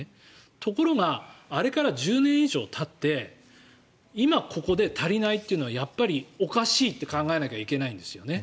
ところがあれから１０年以上たって今、ここで足りないというのはやっぱりおかしいと考えなきゃいけないんですよね。